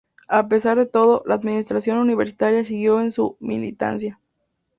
A pesar de todo, la administración universitaria siguió en su militancia.